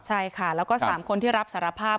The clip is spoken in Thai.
ใช่ค่ะแล้วก็๓คนที่รับสารภาพ